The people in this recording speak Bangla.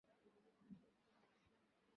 তাহার বিধিমত বিচার বসিল।